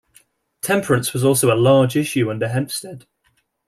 Temperance was also a large issue under Hempstead.